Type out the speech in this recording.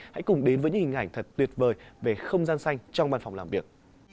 hãy cùng đến với những hình ảnh thật tuyệt vời về không gian xanh trong văn phòng làm việc